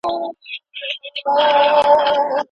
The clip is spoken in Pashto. دا تازه کیله ډېره خوږه ده او ښه بوی لري.